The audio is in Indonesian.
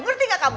ngerti gak kamu